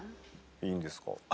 いいんですか？